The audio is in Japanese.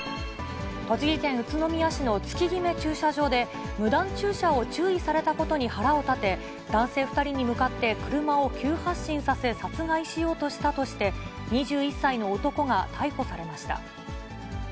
栃木県宇都宮市の月ぎめ駐車場で、無断駐車を注意されたことに腹を立て、男性２人に向かって車を急発進させ、殺害しようとしたとして、２１歳の男が逮捕されました。